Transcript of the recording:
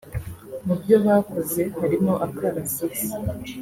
Mu byo bakoze harimo akarasisi